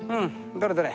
どれどれ。